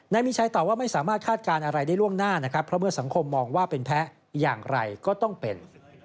นายมีชัยตอบว่าไม่สามารถคาดการณ์อะไรได้ล่วงหน้านะครับเพราะเมื่อสังคมมองว่าเป็นแพ้อย่างไรก็ต้องเป็น